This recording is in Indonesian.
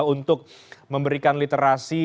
untuk memberikan literasi